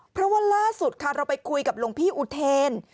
เพราะว่าล่าสุดค่ะเราไปคุยกับหลวงพี่อุเทน